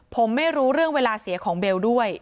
ผมไม่รู้เรื่องเวลาเสียของเบลด้วย